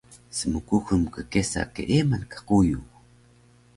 Smkuxul mkkesa keeman ka quyu